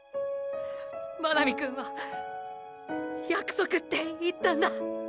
真波くんは“約束”って言ったんだ。